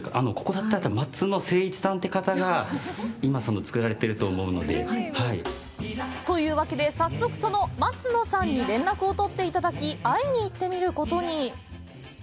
松野静一さんって方が今、作られていると思うので。というわけで、早速その松野さんに連絡をとっていただき会いに行ってみることに。